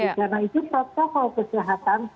karena itu protokol kesehatan